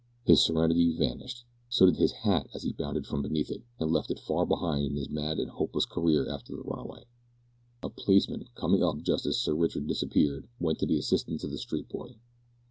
His serenity vanished. So did his hat as he bounded from beneath it, and left it far behind in his mad and hopeless career after the runaway. A policeman, coming up just as Sir Richard disappeared, went to the assistance of the street boy.